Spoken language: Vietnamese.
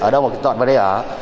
ở đâu mà dọn vào đây ở